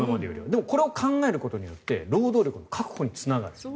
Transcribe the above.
でも、これを考えることによって労働力の確保につながる。